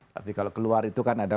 tapi kalau keluar itu kan ada